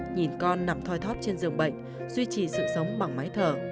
nhìn con nằm thoi thót trên giường bệnh duy trì sự sống bằng máy thở